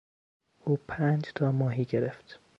او پنج تا ماهی گرفت.